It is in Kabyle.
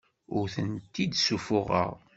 Ur tent-id-ssuffuɣeɣ.